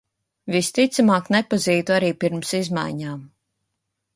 Visticamāk nepazītu arī pirms izmaiņām.